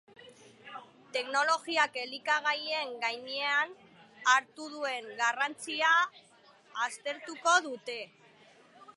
Teknologiak elikagaien gainean hartu duen garrantzia aztertuko dute.